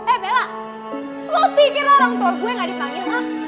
eh bella lu pikir orang tua gue gak dipanggil